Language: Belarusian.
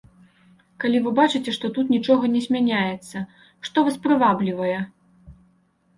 Калі вы бачыце, што тут нічога не змяняецца, што вас прываблівае?